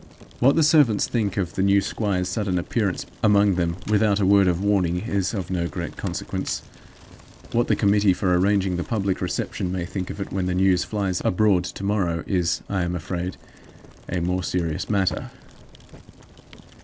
What the servants think of the new squire's sudden appearance among them, without a word of warning, is of no great consequence. What the committee for arranging the public reception may think of it when the news flies abroad to morrow is, I am afraid, a more serious matter.